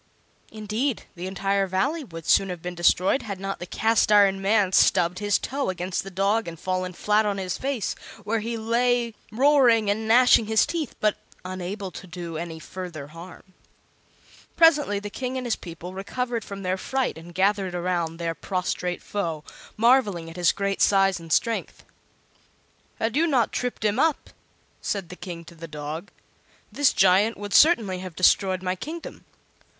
Indeed, the entire Valley would soon have been destroyed had not the Cast iron Man stubbed his toe against the dog and fallen flat on his face, where he lay roaring and gnashing his teeth, but unable to do any further harm. Presently the King and his people recovered from their fright and gathered around their prostrate foe, marveling at his great size and strength. "Had you not tripped him up," said the King to the dog, "this giant would certainly have destroyed my kingdom.